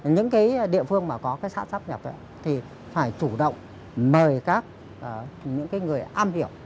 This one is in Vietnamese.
những địa phương mà có xã sắp nhập thì phải chủ động mời các người am hiểu